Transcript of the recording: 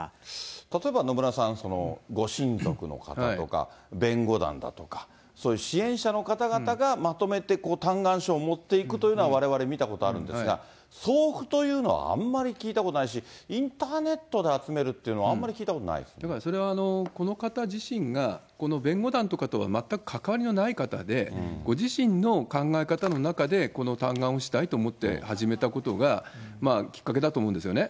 例えば野村さん、ご親族の方とか、弁護団だとか、そういう支援者の方々がまとめて嘆願書を持っていくというのはわれわれ見たことあるんですが、送付というのはあんまり聞いたことないし、インターネットで集めるっていうのはあんまり聞いたこやっぱりそれは、この方自身が、この弁護団とかとは全く関わりのない方で、ご自身の考え方の中で、この嘆願をしたいと思って始めたことが、きっかけだと思うんですよね。